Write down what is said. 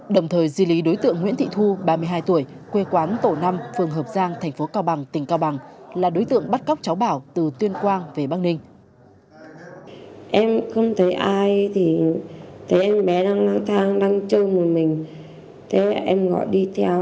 đồng thời di lý đối tượng nguyễn thị thu ba mươi hai tuổi quê quán tổ năm phường hợp giang thành phố cao bằng tỉnh cao bằng là đối tượng bắt cóc cháu bảo từ tuyên quang về bắc ninh